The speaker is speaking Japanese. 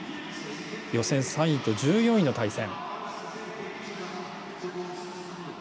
予選３位と１４位の対戦。